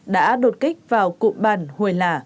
đã đột kích vào cụm bàn hồi lả